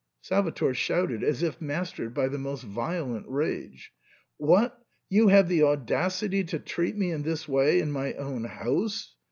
Salvator shouted, as if mastered by the most violent rage, " What ! you have the audacity to treat me in this way in my own house